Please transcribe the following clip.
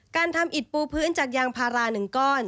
การทำอิดปูพื้นจากยางพารา๑ก้อน